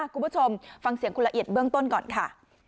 คุณผู้ชมฟังเสียงคุณละเอียดเบื้องต้นก่อนค่ะ